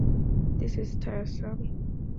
This is tiresome.